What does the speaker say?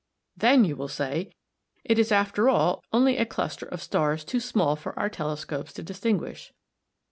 "Then," you will say, "it is after all only a cluster of stars too small for our telescopes to distinguish."